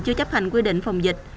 chưa chấp hành quy định phòng dịch